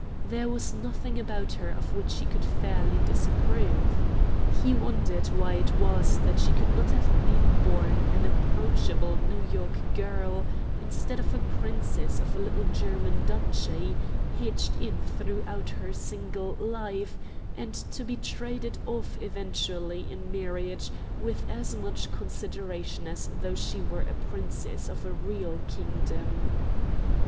There was nothing about her of which he could fairly disapprove. He wondered why it was that she could not have been born an approachable New York girl instead of a princess of a little German duchy, hedged in throughout her single life, and to be traded off eventually in marriage with as much consideration as though she were a princess of a real kingdom.